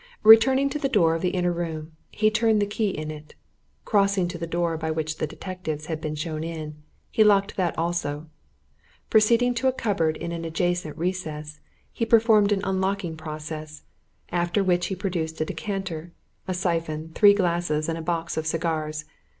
Returning to the door of the inner room, he turned the key in it; crossing to the door by which the detectives had been shown in, he locked that also; proceeding to a cupboard in an adjacent recess, he performed an unlocking process after which he produced a decanter, a syphon, three glasses, and a box of cigars.